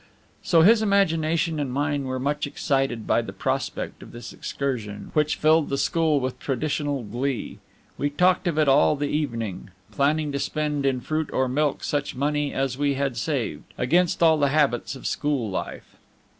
So his imagination and mine were much excited by the prospect of this excursion, which filled the school with traditional glee. We talked of it all the evening, planning to spend in fruit or milk such money as we had saved, against all the habits of school life.